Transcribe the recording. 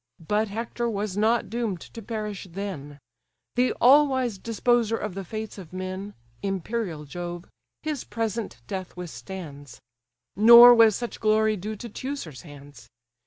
But Hector was not doom'd to perish then: The all wise disposer of the fates of men (Imperial Jove) his present death withstands; Nor was such glory due to Teucer's hands.